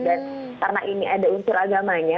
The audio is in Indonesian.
dan karena ini ada unsur agamanya